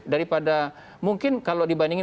daripada mungkin kalau dibandingin